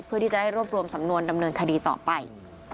เพื่อที่จะได้รวบรวมสำนวนดำเนินคดีต่อไป